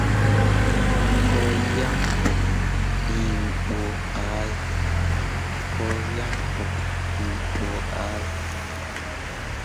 Cok yan bo yiŋ pu ʼahe.